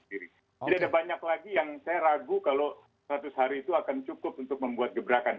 ada banyak lagi yang saya ragu kalau seratus hari itu akan cukup untuk membuat gebrakan